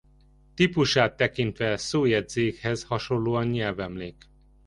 Típusát tekintve szójegyzékhez hasonló nyelvemlék.